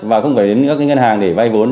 và không phải đến những ngân hàng để vay vốn